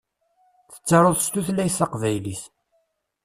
Tettaruḍ s tutlayt taqbaylit.